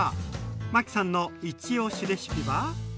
マキさんのイチ押しレシピは？